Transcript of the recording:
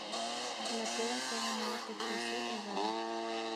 La prueba fue ganada por Jesús Herrada.